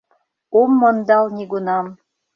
Ом мондал нигунам.